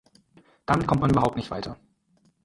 Damit kommt man überhaupt nicht weiter.